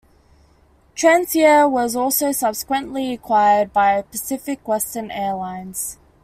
Transair was also subsequently acquired by Pacific Western Airlines.